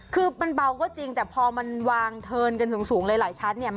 คือมันเบาก็จริงแต่พอมันวางเทินกันสูงหลายชั้นเนี่ย